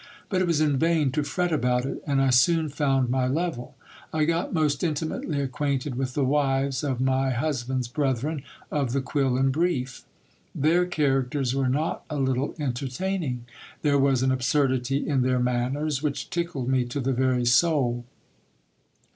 But it was in vain to fret about it ; and I soon found my level. I got most intimately acquainted with the wives of my husband's brethren of the quill and brief. Their characters were not a little entertaining. There was an absurdity in their manners, which tickled me to the very soul.